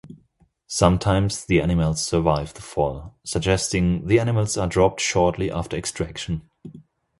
Sometimes the animals survive the fall, suggesting the animals are dropped shortly after extraction.